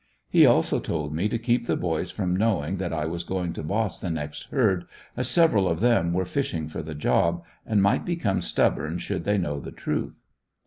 He also told me to keep the boys from knowing that I was going to boss the next herd, as several of them were fishing for the job, and might become stubborn should they know the truth.